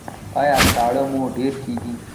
ایا ساړه مو ډیر کیږي؟